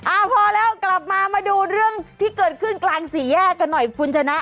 อ่าพอแล้วกลับมามาดูเรื่องที่เกิดขึ้นกลางสี่แยกกันหน่อยคุณชนะ